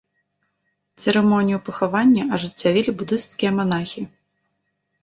Цырымонію пахавання ажыццявілі будысцкія манахі.